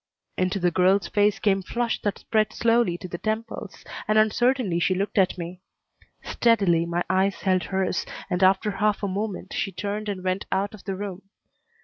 Into the girl's face came flush that spread slowly to the temples, and uncertainly she looked at me. Steadily my eyes held hers and after half a moment she turned and went out of the room.